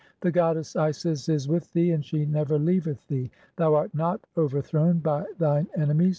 The goddess Isis (28) is with thee and she never leaveth "thee ; [thou art] not overthrown by thine enemies.